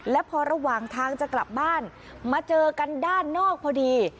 และพอระหว่างทางจะกลับบ้านมาเจอกันด้านนอกพอดี